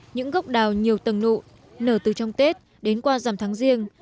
những gốc đào nhiều tầng nụ nở từ trong tết đến qua dằm tháng riêng